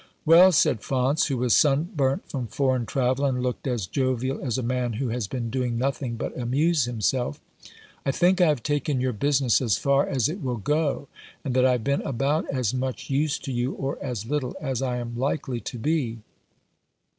"Well," said Faunce, who was sunburnt from foreign travel, and looked as jovial as a man who has been doing nothing but amuse himself, "I think I have taken your business as far as it will go, and that I have been about as much use to you — or as little — as I am likely to be."